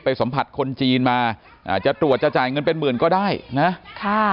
สัมผัสคนจีนมาอ่าจะตรวจจะจ่ายเงินเป็นหมื่นก็ได้นะค่ะ